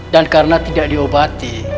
dan karena tidak diobati